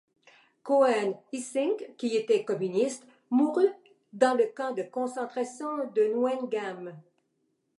Coen Hissink, qui était communiste, mourut à dans le camp de concentration de Neuengamme.